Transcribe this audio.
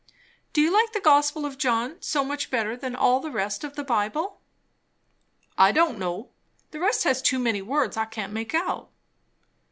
"Do you like the gospel of John so much better than all the rest of the Bible?" "I don' know. The rest has too many words I can't make out."